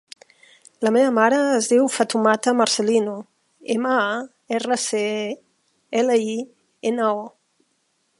La meva mare es diu Fatoumata Marcelino: ema, a, erra, ce, e, ela, i, ena, o.